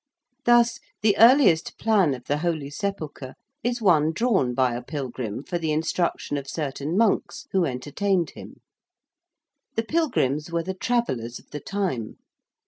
Thus, the earliest plan of the Holy Sepulchre is one drawn by a pilgrim for the instruction of certain monks who entertained him. The pilgrims were the travellers of the time.